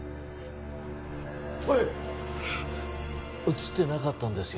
写ってなかったんですよ